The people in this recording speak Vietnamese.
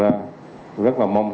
thành ra tôi rất mong